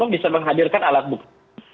bisa menghadirkan alat bukti